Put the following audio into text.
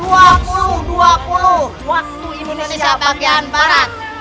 waktu indonesia bagian barat